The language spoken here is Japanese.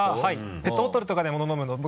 ペットボトルとかでも飲むの僕